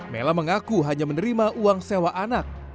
mela mengaku hanya menerima uang sewa anak